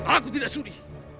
aku tidak sudi